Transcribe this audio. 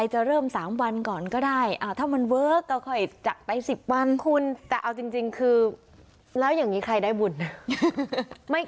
แต่เอาจริงคือแล้วอย่างนี้ใครได้บุญ